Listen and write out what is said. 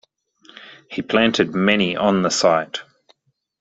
He planted many on the site.